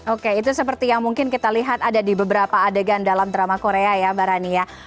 oke itu seperti yang mungkin kita lihat ada di beberapa adegan dalam drama korea ya mbak rani ya